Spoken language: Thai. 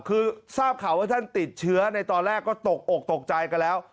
คือทราบข่าวว่าท่านติดเชื้อในตอนแรกก็ตกอกตกใจกันแล้ว